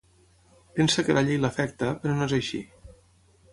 Pensa que la llei l'afecta, però no és així.